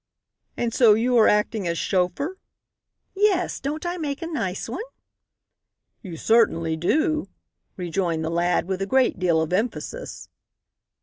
"And so you are acting as chauffeur?" "Yes, don't I make a nice one?" "You certainly do," rejoined the lad with a great deal of emphasis.